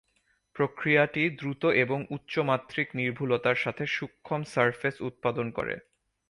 প্রক্রিয়াটি দ্রুত এবং উচ্চ মাত্রিক নির্ভুলতার সাথে সূক্ষ্ম সারফেস উৎপাদন করে।